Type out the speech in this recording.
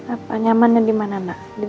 apa nyamannya dimana nak